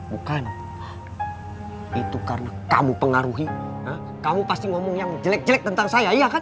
bukan itu karena kamu pengaruhi kamu pasti ngomong yang jelek jelek tentang saya iya kan